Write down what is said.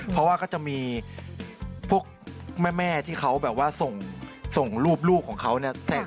เพราะว่าก็จะมีพวกแม่ที่เขาแบบว่าส่งรูปลูกของเขาเนี่ย